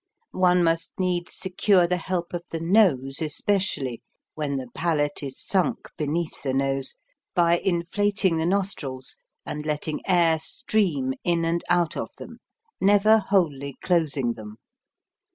One must needs secure the help of the nose especially, when the palate is sunk beneath the nose, by inflating the nostrils and letting air stream in and out of them, never wholly closing them.